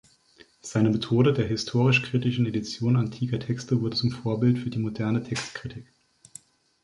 Seine Methode der historisch-kritischen Edition antiker Texte wurde zum Vorbild für die moderne Textkritik.